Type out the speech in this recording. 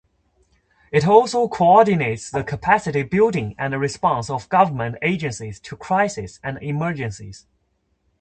It also coordinates the capacity-building and response of government agencies to crises and emergencies.